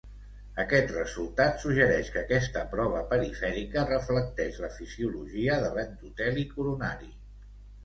Aquest resultat suggereix que aquesta prova perifèrica reflecteix la fisiologia de l'endoteli coronari.